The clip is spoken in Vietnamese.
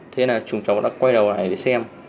thế là chúng cháu đã quay đầu hải để xem